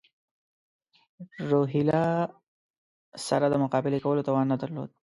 روهیله سره د مقابلې کولو توان نه درلود.